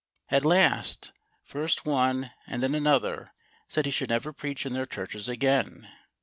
At last, first one and then another said he should never preach in their churches again.